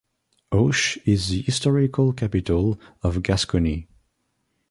Auch is the historical capital of Gascony.